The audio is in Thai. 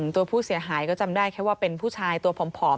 ตัวผู้เสียหายก็จำได้แค่ว่าเป็นผู้ชายตัวผอม